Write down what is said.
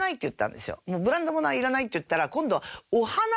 ブランド物はいらないって言ったら。